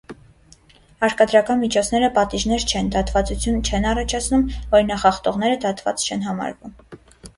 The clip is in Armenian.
Հարկադրական միջոցները պատիժներ չեն, դատվածություն չեն առաջացնում, օրինախախտողները դատված չեն համարվում։